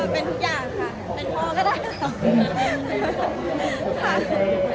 เป็นพ่อก็ได้ค่ะ